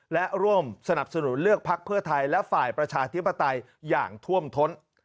และร่วมสนับสนุนเลือกพักเพื่อไทยและฝ่ายประชาธิปไตยอย่างท่วมท้น